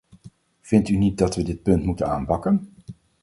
Vindt u niet dat we dit punt moeten aanpakken?